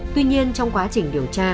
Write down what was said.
tuy nhiên trong quá trình điều tra